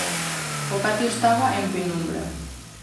O patio estaba en penumbra.